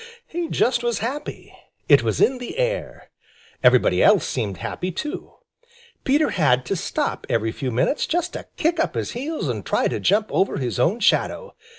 He just was happy. It was in the air. Everybody else seemed happy, too. Peter had to stop every few minutes just to kick up his heels and try to jump over his own shadow.